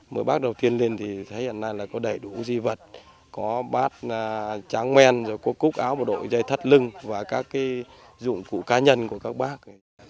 mới bát đầu tiên lên thì thấy hôm nay là có đầy đủ di vật có bát tráng men có cúc áo bộ đội giày thắt lưng và các dụng cụ cá nhân của các bát